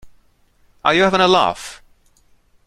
Are you having a laugh?